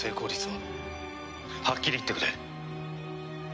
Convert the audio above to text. はっきり言ってくれ。